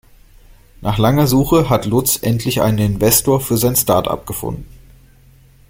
Nach langer Suche hat Lutz endlich einen Investor für sein Startup gefunden.